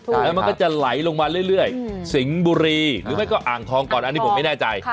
แล้วมันก็จะไหลลงมาเรื่อยสิงห์บุรีหรือไม่ก็อ่างทองก่อนอันนี้ผมไม่แน่ใจ